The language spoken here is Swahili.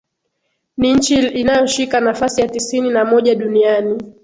Ni nchi inayoshika nafasi ya tisini na moja duniani